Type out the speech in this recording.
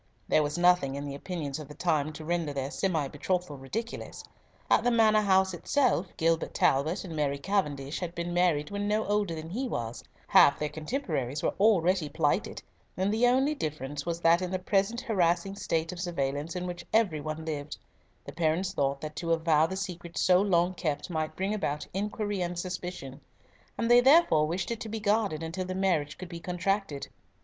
There was nothing in the opinions of the time to render their semi betrothal ridiculous. At the Manor house itself, Gilbert Talbot and Mary Cavendish had been married when no older than he was; half their contemporaries were already plighted, and the only difference was that in the present harassing state of surveillance in which every one lived, the parents thought that to avow the secret so long kept might bring about inquiry and suspicion, and they therefore wished it to be guarded till the marriage could be contracted.